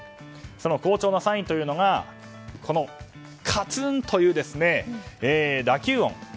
その好調のサインというのがカツンという打球音。